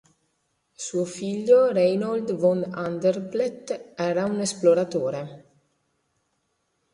Suo figlio, Reinhold von Anrep-Elmpt, era un esploratore.